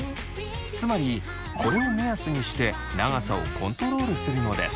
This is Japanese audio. つまりこれを目安にして長さをコントロールするのです。